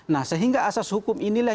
nah sehingga asas hukum inilah